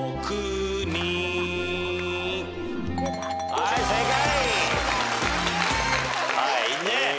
はい正解。